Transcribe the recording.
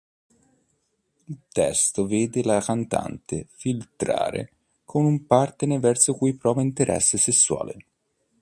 Il testo vede la cantante flirtare con un partner verso cui prova interesse sessuale.